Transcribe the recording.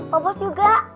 bapak bos juga